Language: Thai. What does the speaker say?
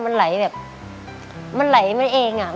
มันไหลแบบมันไหลมาเองอ่ะ